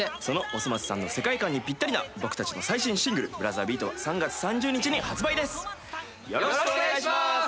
その『おそ松さん』の世界観にぴったりな僕たちの最新シングル『ブラザービート』は３月３０日に発売です。